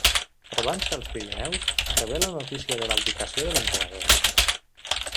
Trobant-se als Pirineus, rebé la notícia de l'abdicació de l'emperador.